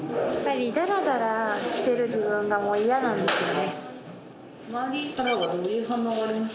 だらだらしてる自分がもう嫌なんですよね。